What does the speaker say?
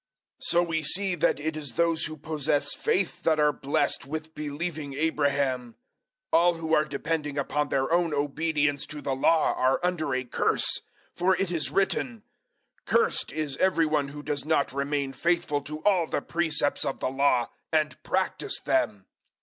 003:009 So we see that it is those who possess faith that are blessed with believing Abraham. 003:010 All who are depending upon their own obedience to the Law are under a curse, for it is written, "Cursed is every one who does not remain faithful to all the precepts of the Law, and practise them."